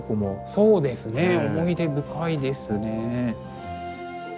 そうですね思い出深いですね。